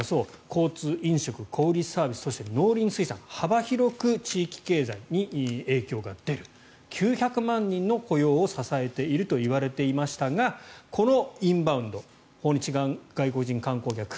交通、飲食、小売り、サービスそして農林水産幅広く地域経済に影響が出る９００万人の雇用を支えているといわれていましたがこのインバウンド訪日外国人観光客。